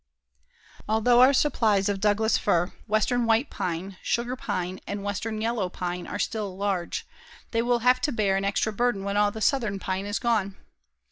Although our supplies of Douglas fir, western white pine, sugar pine and western yellow pine are still large, they will have to bear an extra burden when all the southern pine is gone.